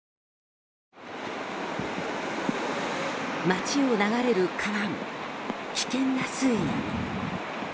町を流れる川も危険な水位に。